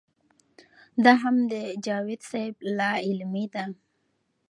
دا هم د جاوېد صېب لا علمي ده